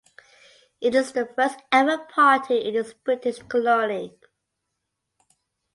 It is the first ever party in this British colony.